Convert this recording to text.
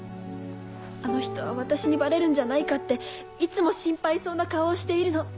あの人は私にバレるんじゃないかっていつも心配そうな顔をしているの。